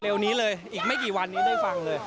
นี้เลยอีกไม่กี่วันนี้ได้ฟังเลย